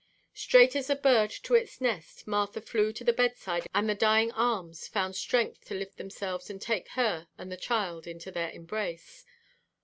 Straight as a bird to its nest Martha flew to the bedside and the dying arms found strength to lift themselves and take her and the child into their embrace.